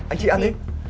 anh chị ăn đi